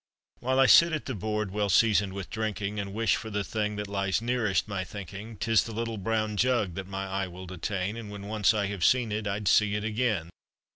While I sit at the board, Well seasoned with drinking And wish for the thing That lies nearest my thinking, 'Tis the little brown jug That my eye will detain, And when once I have seen it, I'd see it again